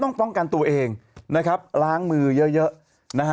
ต้องป้องกันตัวเองนะครับล้างมือเยอะ